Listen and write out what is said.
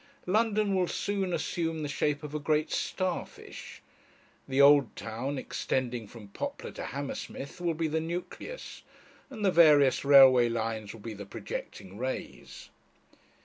London will soon assume the shape of a great starfish. The old town, extending from Poplar to Hammersmith, will be the nucleus, and the various railway lines will be the projecting rays.